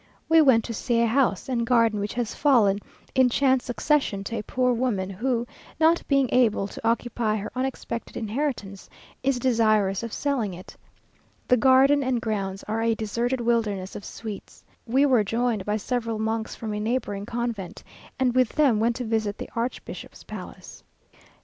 _ We went to see a house and garden which has fallen, in chance succession, to a poor woman, who, not being able to occupy her unexpected inheritance, is desirous of selling it. The garden and grounds are a deserted wilderness of sweets. We were joined by several monks from a neighbouring convent, and with them went to visit the archbishop's palace.